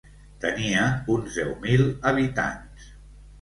Tenia uns deu mil habitants.